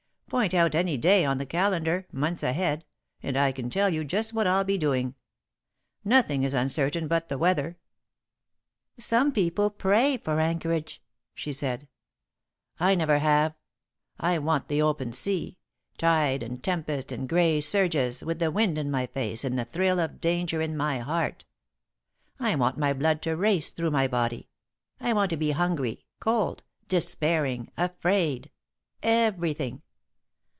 Point out any day on the calendar, months ahead, and I can tell you just what I'll be doing. Nothing is uncertain but the weather." [Sidenote: His Looks] "Some people pray for anchorage," she said. "I never have," he flashed back. "I want the open sea tide and tempest and grey surges, with the wind in my face and the thrill of danger in my heart! I want my blood to race through my body; I want to be hungry, cold, despairing, afraid everything!